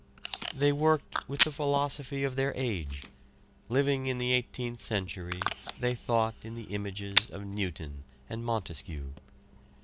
They worked with the philosophy of their age. Living in the Eighteenth Century, they thought in the images of Newton and Montesquieu.